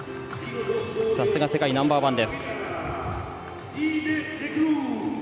さすが世界ナンバーワンです。